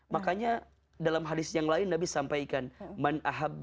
makanya dalam hadis yang lain nabi sampaikan